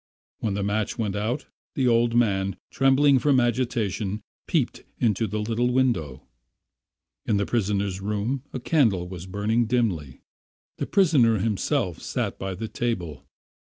When the match went out, the old man, trembling from agitation, peeped into the little window. In the prisoner's room a candle was burning dimly. The prisoner himself sat by the table.